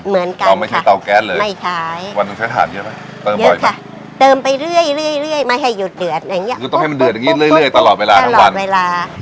เหมือนกันค่ะเราไม่ใช้เตาแก๊สเลยไม่ใช้วันหนึ่งใช้ถ่านเยอะไหมเยอะค่ะเติมไปเรื่อยไม่ให้หยุดเดือดอย่างเนี้ยต้องให้มันเดือดอย่างงี้เรื่อยตลอดเวลาทั้งวันตลอดเวลา